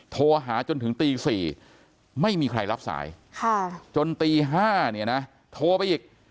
โทรหาจนถึงตี๔ไม่มีใครรับสายจนตี๕เนี่ยนะโทรไปอีก